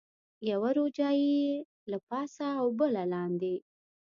یوه روجایۍ له پاسه او بله لاندې.